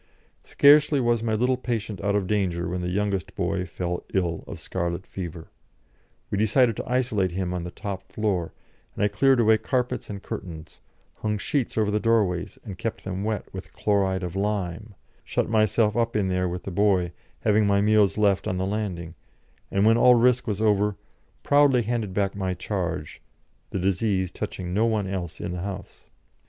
Scarcely was my little patient out of danger when the youngest boy fell ill of scarlet fever; we decided to isolate him on the top floor, and I cleared away carpets and curtains, hung sheets over the doorways and kept them wet with chloride of lime, shut myself up there with the boy, having my meals left on the landing; and when all risk was over, proudly handed back my charge, the disease touching no one else in the house.